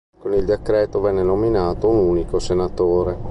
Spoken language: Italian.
Con il decreto venne nominato un unico senatore.